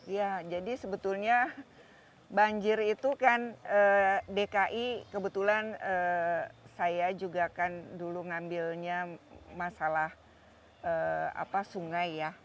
ya jadi sebetulnya banjir itu kan dki kebetulan saya juga kan dulu ngambilnya masalah sungai ya